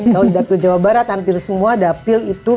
kalau di dapil jawa barat tampil semua dapil itu